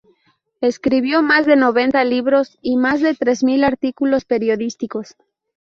Escribió más de noventa libros y más de tres mil artículos periodísticos.